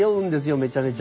めちゃめちゃ。